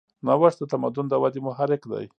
نوښت د تمدن د ودې محرک دی.